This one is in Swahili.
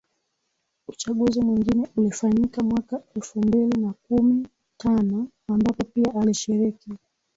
Uchaguzi mwingine ulifanyika mwaka elfu mbili na kumi tano ambapo pia alishiriki